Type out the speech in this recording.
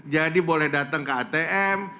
jadi boleh datang ke atm